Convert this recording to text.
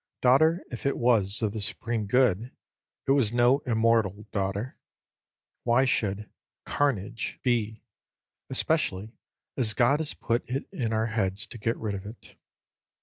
Daughter if it was of the Supreme Good, it was no immortal daughter. Why should "Carnage" be, especially as God has put it in our heads to get rid of it?